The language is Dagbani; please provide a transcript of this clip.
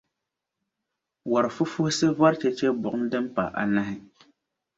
wɔr’ fufuhisi vɔri chɛchɛbuŋ’ din pah’ anahi.